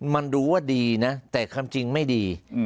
มันดูว่าดีนะแต่ความจริงไม่ดี